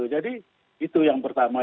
jadi itu yang pertama